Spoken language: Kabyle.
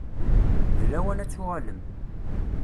D lawan ad tuɣalem.